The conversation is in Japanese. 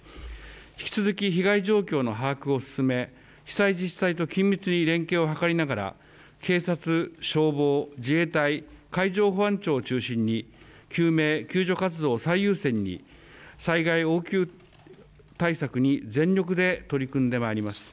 引き続き、被害状況の把握を進め被災自治体と緊密に連携を図りながら警察、消防、自衛隊海上保安庁を中心に救命、救助活動を最優先に災害応急対策に全力で取り組んで参ります。